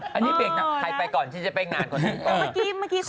ใครไปก่อนที่จะไปงานคนก่อน